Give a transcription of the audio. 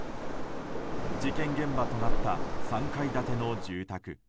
事件現場となった３階建ての住宅。